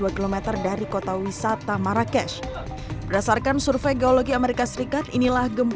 dua km dari kota wisata marrakesh berdasarkan survei geologi amerika serikat inilah gempa